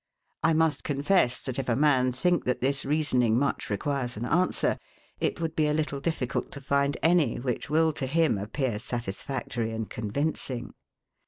I must confess that, if a man think that this reasoning much requires an answer, it would be a little difficult to find any which will to him appear satisfactory and convincing.